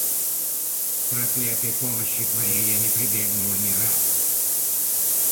К проклятой помощи твоей Я не прибегнула ни разу.